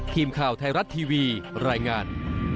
ทีมข่าวไทยรัฐทีวีรายงาน